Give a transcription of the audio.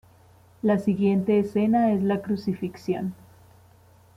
La siguiente escena es la "Crucifixión".